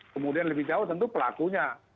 kemudian lebih jauh tentu pelakunya